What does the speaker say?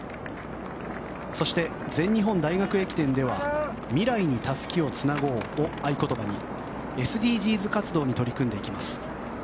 そして全日本大学駅伝では「未来にタスキをつなごう」を合言葉にＳＤＧｓ活動に取り組んでいきます。